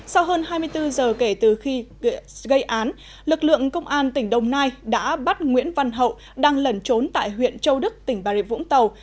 sau hơn hai mươi bốn giờ kể từ khi gây án lực lượng công an tỉnh đồng nai đã bắt nguyễn văn hậu đang lẩn trốn tại huyện châu đức tỉnh bà rịa vũng tàu